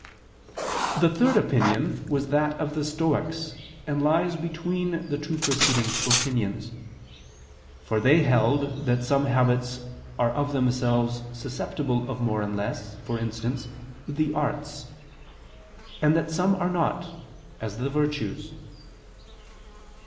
The third opinion was that of the Stoics, and lies between the two preceding opinions. For they held that some habits are of themselves susceptible of more and less, for instance, the arts; and that some are not, as the virtues.